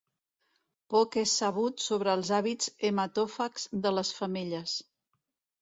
Poc és sabut sobre els hàbits hematòfags de les femelles.